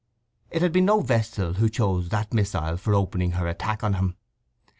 It had been no vestal who chose that missile for opening her attack on him.